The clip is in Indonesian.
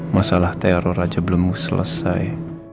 masalah teror aja belum selesai